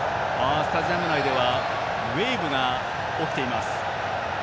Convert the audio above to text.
スタジアム内ではウエーブが起きています。